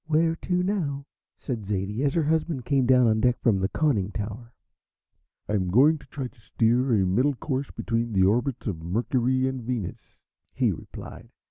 "Where to now?" said Zaidie, as her husband came down on deck from the conning tower. "I am going to try to steer a middle course between the orbits of Mercury and Venus," he replied.